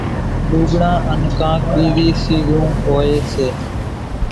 لوڳڙان انين ڪانڪ ٻيزِيوُن سيزون هوئيَ سي۔